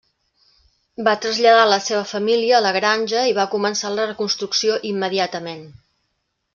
Va traslladar la seva família a la granja i va començar la reconstrucció immediatament.